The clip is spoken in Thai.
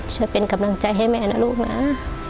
ช่วยเป็นกำลังใจให้แม่นะลูกนะ